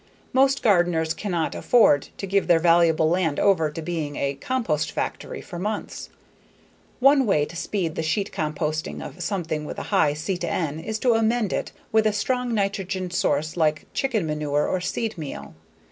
Most gardeners cannot afford to give their valuable land over to being a compost factory for months. One way to speed the sheet composting of something with a high C/N is to amend it with a strong nitrogen source like chicken manure or seed meal.